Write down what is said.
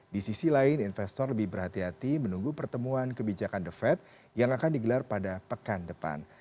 di sisi lain investor lebih berhati hati menunggu pertemuan kebijakan the fed yang akan digelar pada pekan depan